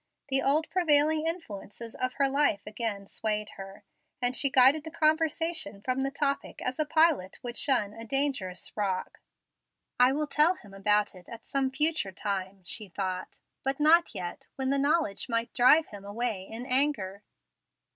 The old, prevailing influences of her life again swayed her, and she guided the conversation from the topic as a pilot would shun a dangerous rock. "I will tell him all about it at some future time," she thought; "but not yet when the knowledge might drive him away in anger."